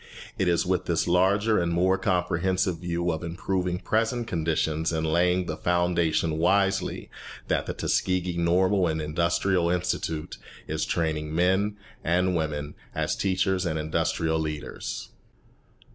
It is with this larger and more comprehensive view of improving present conditions and laying the foundation wisely that the Tuskegee Normal and Industrial Institute is training men and women as teachers and industrial leaders.